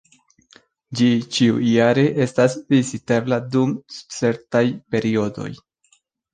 Ĝi ĉiujare estas vizitebla dum certaj periodoj.